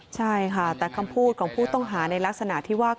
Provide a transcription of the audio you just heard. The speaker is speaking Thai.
ใช่ค่ะแต่คำพูดของผู้ต้องหาในลักษณะที่ว่า